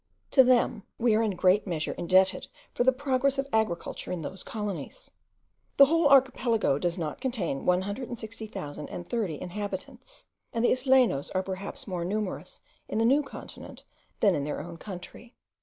To them we are in a great measure indebted for the progress of agriculture in those colonies. The whole archipelago does not contain 160,030 inhabitants, and the Islenos are perhaps more numerous in the new continent than in their own country.